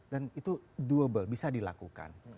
dan itu doable bisa dilakukan